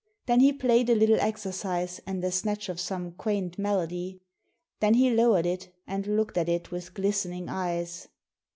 Then he played a little exercise and a snatch of some quaint melody. Then he lowered it and looked at it with glistening eyes.